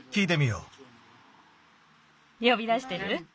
よび出してる？